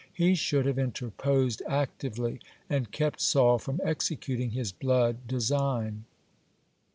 He should have interposed actively, and kept Saul from executing his blood design.